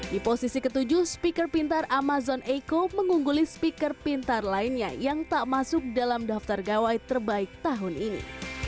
di posisi ketujuh speaker pintar amazon echo mengungguli speaker pintar lainnya yang tak masuk dalam daftar gawai terbaik tahun ini